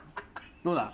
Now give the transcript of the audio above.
どうだ？